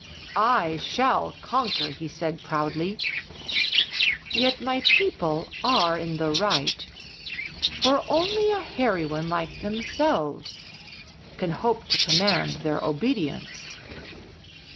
"I shall conquer," he said, proudly. "Yet my people are in the right, for only a hairy one like themselves can hope to command their obedience."